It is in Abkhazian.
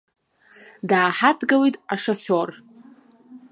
Дааҳадгылеит ашофер.